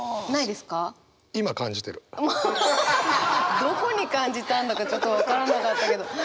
ハハハハどこに感じたんだかちょっと分からなかったけど。